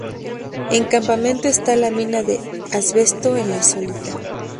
En Campamento está la mina de Asbesto en La Solita.